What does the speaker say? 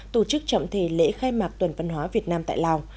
tổ chức trọng thể lễ khai mạc tuần văn hóa việt nam tại lào